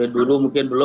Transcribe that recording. dulu mungkin belum